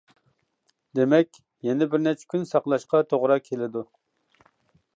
دېمەك، يەنە بىر نەچچە كۈن ساقلاشقا توغرا كېلىدۇ.